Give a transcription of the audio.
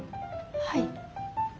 はい。